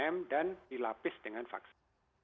tiga m dan dilapis dengan vaksin